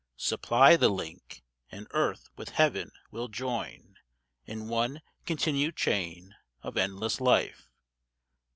Supply the link, and earth with Heaven will join In one continued chain of endless life.